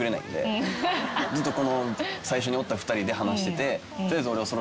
ずっと最初におった２人で話してて。